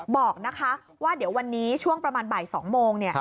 บอกนะคะว่าเดี๋ยววันนี้ช่วงประมาณบ่าย๒โมง